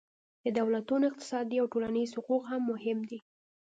د دولتونو اقتصادي او ټولنیز حقوق هم مهم دي